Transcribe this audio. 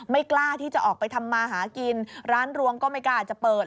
กล้าที่จะออกไปทำมาหากินร้านรวงก็ไม่กล้าจะเปิด